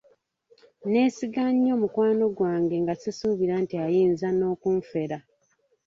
Nneesiga nnyo mukwano gwange nga sisuubira nti ayinza n'okunfera.